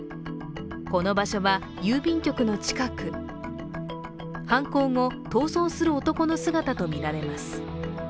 この場所は郵便局の近く、犯行後、逃走する男の姿とみられます。